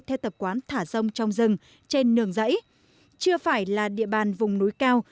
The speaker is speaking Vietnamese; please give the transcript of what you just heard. theo tập quán thả rông trong rừng trên nường dãy chưa phải là địa bàn vùng núi cao